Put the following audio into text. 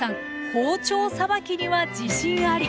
包丁さばきには自信あり。